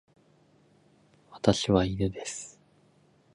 私は犬です。